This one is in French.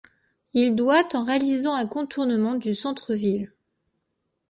Il doit en réalisant un contournement du centre-ville.